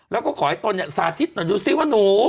แล้วก็ขอให้ตนเนี่ยสาธิตหน่อยดูซิว่าหนู